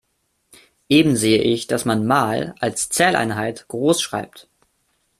Eben sehe ich, dass man „mal“ als Zähleinheit groß schreibt.